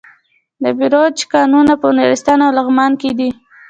د بیروج کانونه په نورستان او لغمان کې دي.